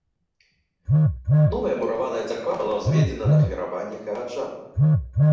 Новая мураваная царква была ўзведзена на ахвяраванні гараджан.